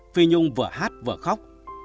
vì nhung vừa hát vừa khóc